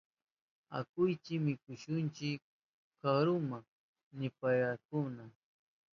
Akuychi wichushunchi karuma, nipayarkakuna.